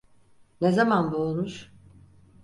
Ne zaman boğulmuş?